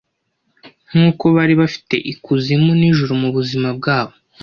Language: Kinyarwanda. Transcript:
nkuko bari bafite ikuzimu n'ijuru mubuzima bwabo